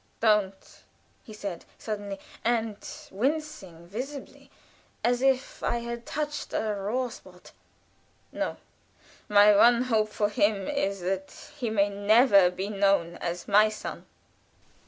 "Don't, don't!" he said, suddenly, and wincing visibly, as if I had touched a raw spot. "No; my one hope for him is that he may never be known as my son."